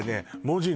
文字